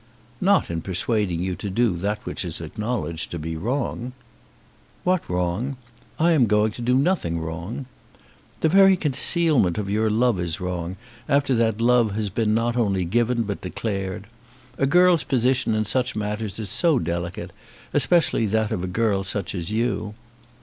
"Not in persuading you to do that which is acknowledged to be wrong." "What wrong? I am going to do nothing wrong." "The very concealment of your love is wrong, after that love has been not only given but declared. A girl's position in such matters is so delicate, especially that of such a girl as you!"